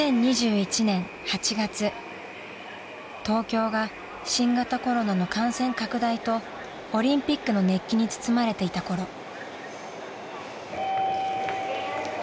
［東京が新型コロナの感染拡大とオリンピックの熱気に包まれていたころ］